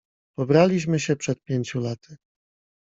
"Pobraliśmy się przed pięciu laty."